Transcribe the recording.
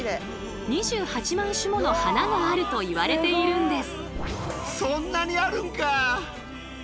２８万種もの花があるといわれているんです。